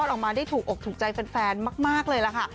ออกมาได้ถูกอกถูกใจแฟนมากเลยล่ะค่ะ